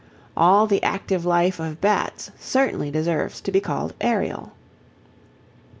All the active life of bats certainly deserves to be called aerial.